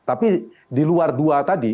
tapi di luar dua tadi